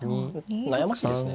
悩ましいですね。